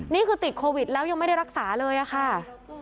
นี่คือติดโควิดแล้วยังไม่ได้รักษาเลยอะค่ะ